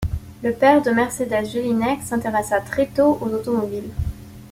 Le père de Mercédès Jellinek s'intéressa très tôt aux automobiles.